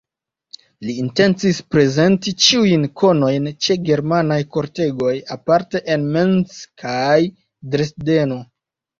Li intencis prezenti ĉiujn konojn ĉe germanaj kortegoj, aparte en Mainz kaj Dresdeno.